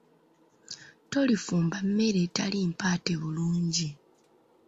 Tolifumba mmere etali mpaate bulungi.